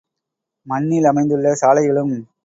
மண்ணில் அமைந்துள்ள சாலைகளும்.